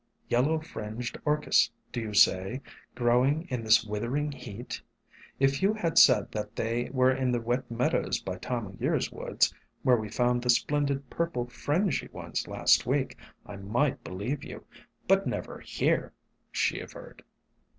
"Yellow Fringed Orchis, do you say, growing in this withering heat? If you had said that they were in the wet meadows by Time o' Year's woods, where we found the splended purple fringy SOME HUMBLE ORCHIDS 149 ones last week, I might believe you, but never here," she averred.